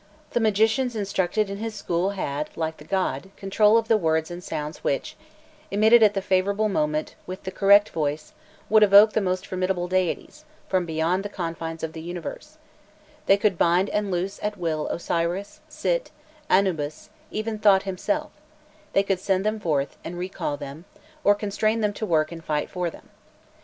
The magicians instructed in his school had, like the god, control of the words and sounds which, emitted at the favourable moment with the "correct voice," would evoke the most formidable deities from beyond the confines of the universe: they could bind and loose at will Osiris, Sit, Anubis, even Thot himself; they could send them forth, and recall them, or constrain them to work and fight for them.